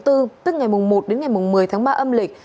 tức ngày mùng một đến ngày mùng một mươi tháng ba âm lịch